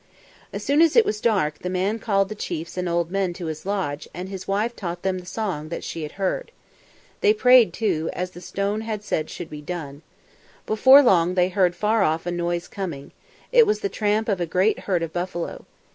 As soon as it was dark, the man called the chiefs and old men to his lodge, and his wife taught them the song that she had heard. They prayed too, as the stone had said should be done. Before long they heard far off a noise coming. It was the tramp of a great herd of buffalo.